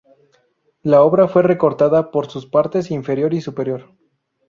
La obra fue recortada por sus partes inferior y superior.